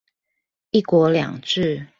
ㄧ 國兩制